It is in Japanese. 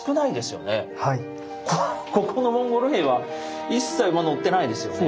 ここのモンゴル兵は一切馬乗ってないですよね？